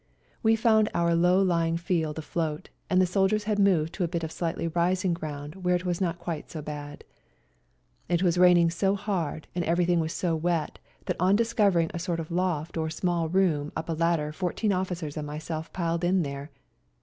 We found our low lying field afloat, and the soldiers had moved to a bit of slightly rising ground where it was not quite so bad. It was raining so hard and everything was so wet that on discovering a sort of loft or small room up a ladder fourteen officers and myself piled in there.